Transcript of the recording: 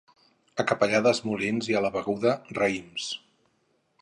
A Capellades, molins, i a la Beguda, raïms.